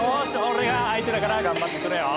俺が相手だから頑張ってくれよ！